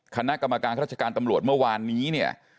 คณะกรรมการราชการตำรวจเมื่อวานนี้เนี่ย